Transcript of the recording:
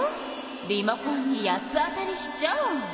リモコンに八つ当たりしちゃ！